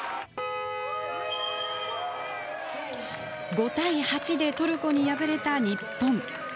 ５対８でトルコに敗れた日本。